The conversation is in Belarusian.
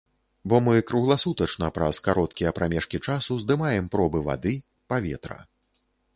Бо мы кругласутачна праз кароткія прамежкі часу здымаем пробы вады, паветра.